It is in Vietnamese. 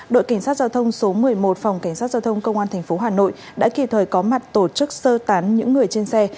đội cảnh sát giao thông số một mươi một phòng cảnh sát giao thông công an tp hà nội đã kịp thời có mặt tổ chức sơ tán những người trên xe